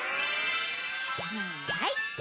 はい。